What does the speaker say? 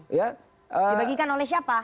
dibagikan oleh siapa